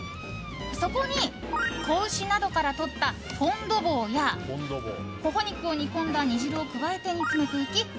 そこに子牛などからとったフォンドボーやホホ肉を煮込んだ煮汁を加えて煮詰めていき